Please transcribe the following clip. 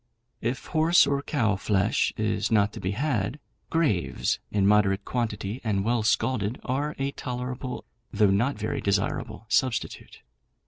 If horse or cow flesh is not to be had, graves, in moderate quantity and well scalded, are a tolerable, though not very desirable, substitute.